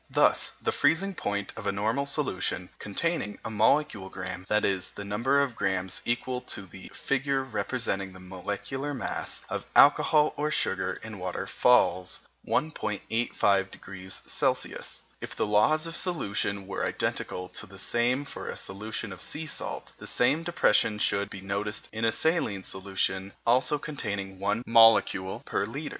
Thus the freezing point of a normal solution, containing a molecule gramme (that is, the number of grammes equal to the figure representing the molecular mass) of alcohol or sugar in water, falls 1.85° C. If the laws of solution were identically the same for a solution of sea salt, the same depression should be noticed in a saline solution also containing 1 molecule per litre.